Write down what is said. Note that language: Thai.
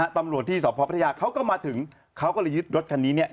ตำรวจที่สพพัทยาเขาก็มาถึงเขาก็เลยยึดรถคันนี้เนี่ย